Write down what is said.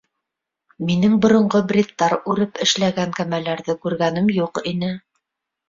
Минең боронғо бриттар үреп эшләгән кәмәләрҙе күргәнем юҡ ине.